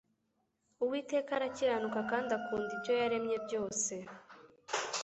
uwiteka arakiranuka kandi akunda ibyo yaremye byose